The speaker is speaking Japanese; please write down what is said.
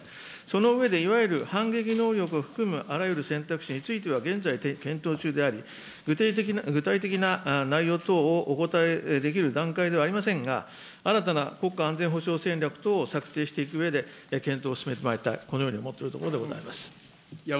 その上で、いわゆる反撃能力を含むあらゆる選択肢については現在、検討中であり、具体的な内容等をお答えできる段階ではありませんが、新たな国家安全保障戦略等を策定していくうえで、検討を進めてまいりたい、このように思っているところでございます。